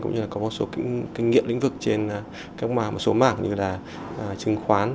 cũng như là có một số kinh nghiệm lĩnh vực trên một số mảng như là chứng khoán